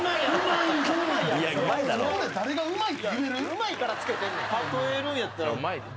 うまいからつけてんねん。